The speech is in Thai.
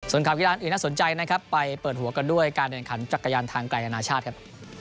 ส่วนข่าวกีฬานอื่นน่าสนใจนะครับไปเปิดหัวกันด้วยการแข่งขันจักรยานทางไกลอนาชาติครับ